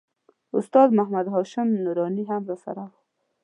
استاد محمد هاشم نوراني هم راسره و.